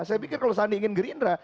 saya pikir kalau sandi ingin gerindra